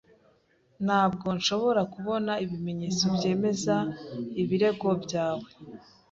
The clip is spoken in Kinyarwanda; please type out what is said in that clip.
Ntabwo nshobora kubona ibimenyetso byemeza ibirego byawe.